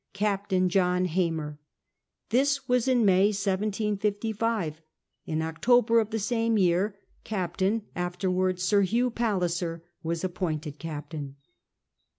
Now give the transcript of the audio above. Captain John Hamer. This was in May 1755. In October of the same year Captain (afterwards Sir Hugh) Palliser was appointed captain.